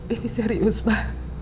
ini serius ma